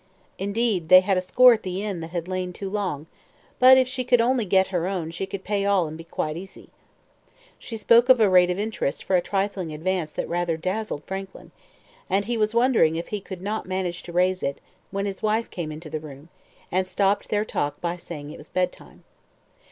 Indeed, they had a score at the inn that had lain too long; but if she could only get her own she could pay all and be quite easy. She spoke of a rate of interest for a trifling advance that rather dazzled Frankland, and he was wondering if he could not manage to raise it, when his wife came into the room, and stopped their talk by saying it was bed time.